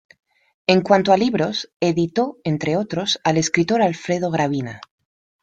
En cuanto a libros, editó, entre otros, al escritor Alfredo Gravina.